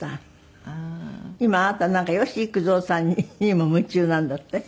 今あなたなんか吉幾三さんに夢中なんだって？